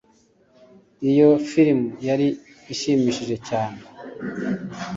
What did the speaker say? Iyo firime yari ishimishije cyane.